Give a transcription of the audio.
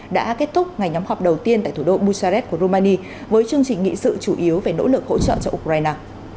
đã kết thúc ngày nhóm họp đầu tiên tại thủ đô bucharest của romani với chương trình nghị sự chủ yếu về nỗ lực hỗ trợ cho ukraine